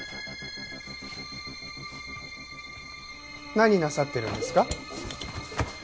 何なさってるんですか？